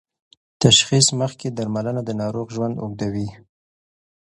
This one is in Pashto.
تشخیص مخکې درملنه د ناروغ ژوند اوږدوي.